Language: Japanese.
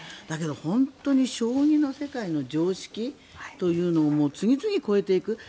だけど、本当に将棋の世界の常識というのを次々超えていく。